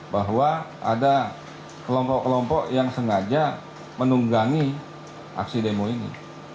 bahwa ada kelompok kelompok yang sengaja menunggangi aksi demo ini